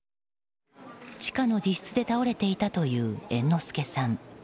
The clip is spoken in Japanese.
地下の自室で倒れていたという猿之助さん。